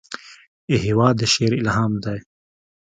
هېواد د شعر الهام دی.